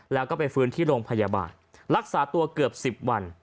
แล้วก็ไปฟื้นที่โรงพยาบาลรักษาตัวเกือบ๑๐วัน